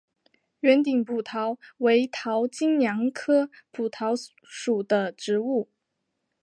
圆顶蒲桃为桃金娘科蒲桃属的植物。